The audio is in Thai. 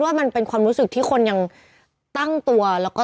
ทำงานครบ๒๐ปีได้เงินชดเฉยเลิกจ้างไม่น้อยกว่า๔๐๐วัน